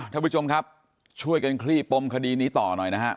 ท่านผู้ชมครับช่วยกันคลี่ปมคดีนี้ต่อหน่อยนะฮะ